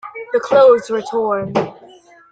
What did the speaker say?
The clothes were torn.